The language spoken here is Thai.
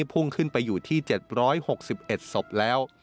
พุ่งขึ้นไปอยู่ที่๗๖๑ศพแล้ว